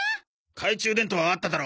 懐中電灯あっただろ。